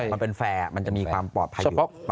มันเป็นแฟร์มันจะมีความปลอดภัยอยู่